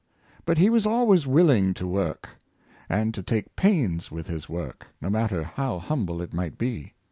But he was always willing to work, and to take pains with his work, no matter how humble it might be.